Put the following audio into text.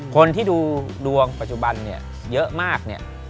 คนที่ดูดวงปัจจุบันเยอะมาก